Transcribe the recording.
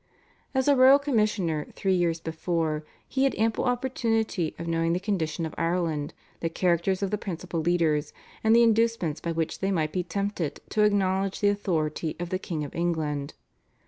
As a royal commissioner three years before he had ample opportunity of knowing the condition of Ireland, the characters of the principal leaders, and the inducements by which they might be tempted to acknowledge the authority of the King of England.